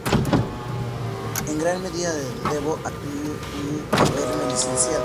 En gran medida le debo a ella el haberme Licenciado.